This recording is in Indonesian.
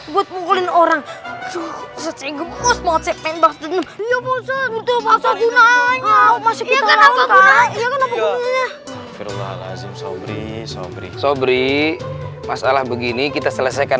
buat pukulin orang secegum pos pos penbas dan iya pos pos gunanya masalah begini kita selesaikan